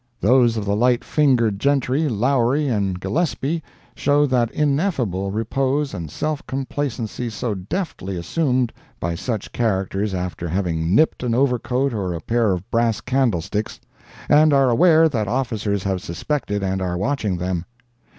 Those of the light fingered gentry, Lowery and Gillespie, show that ineffable repose and self complacency so deftly assumed by such characters after having nipped an overcoat or a pair of brass candlesticks and are aware that officers have suspected and are watching them.